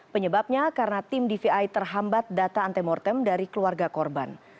penyebabnya karena tim dvi terhambat data antemortem dari keluarga korban